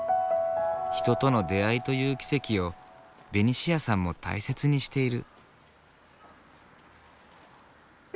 人との出会いという奇跡をベニシアさんも大切にしている。